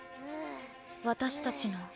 私たちの。